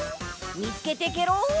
みつけてケロ。